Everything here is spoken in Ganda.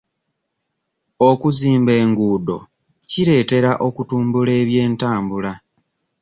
Okuzimba enguudo kireetera okutumbula eby'entambula.